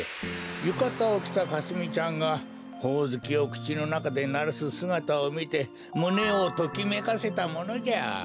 ゆかたをきたかすみちゃんがほおずきをくちのなかでならすすがたをみてむねをときめかせたものじゃ。